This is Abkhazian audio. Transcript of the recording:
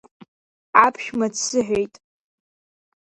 Аԥшәма дсыҳәеит…